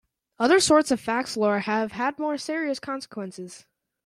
Other sorts of faxlore have had more serious consequences.